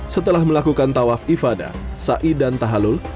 setelah melakukan tawaf ifadah sa'i dan tahalul